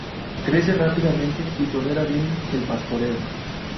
Crece rápidamente y tolera bien el pastoreo.